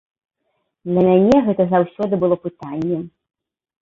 Для мяне гэта заўсёды было пытаннем.